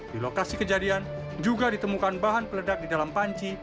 di lokasi kejadian juga ditemukan bahan peledak di dalam panci